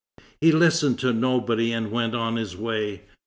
He listened to nobody and went on his way.